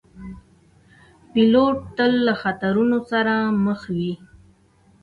پیلوټ تل له خطرونو سره مخ وي.